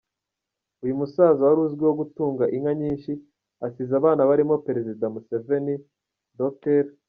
Uyu musaza wari uzwiho gutunga inka nyinshi, asize abana barimo Perezida Museveni, Dr.